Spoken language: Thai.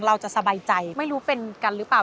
เราจะสบายใจไม่รู้เป็นกันหรือเปล่า